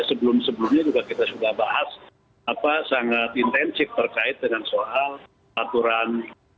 sebelum sebelumnya juga kita sudah bahas apa sangat intensif terkait dengan soal aturan